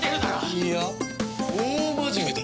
いいや大真面目だ。